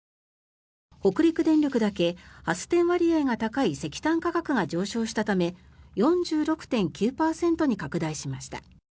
北陸電力だけ、発電割合が高い石炭価格が上昇したため４６．９％に拡大しました。